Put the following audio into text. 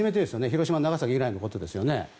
広島、長崎以来のことですよね。